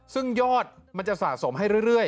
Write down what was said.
ซึ่งยอดมันจะสะสมให้เรื่อย